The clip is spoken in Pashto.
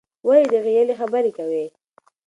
ولې د غېلې خبرې کوې؟